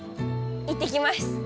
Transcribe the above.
いってきます！